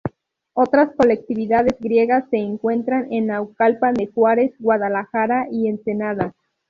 Otras colectividades griegas se encuentran en Naucalpan de Juárez, Guadalajara y Ensenada.